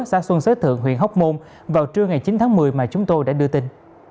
xã xuân xế thượng huyện hóc môn vào trưa ngày chín tháng một mươi mà chúng tôi đã đưa tin